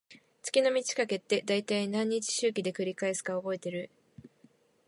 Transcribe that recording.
月の満ち欠けって、だいたい何日周期で繰り返すか覚えてる？